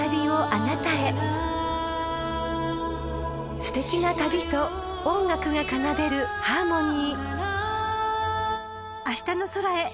［すてきな旅と音楽が奏でるハーモニー］